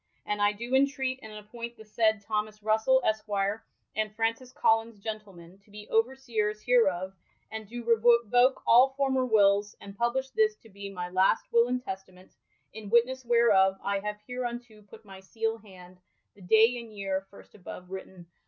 And I doe intreat and appoint the aaied Thomass Russell esquier and Frauncis Collins gent, to be overseers hereof, and doe revoke all former wills, and publishe this to be my last will and testament In witness whereof I have hereunto put my [seale] hand, the dale and yeare first above^vritten.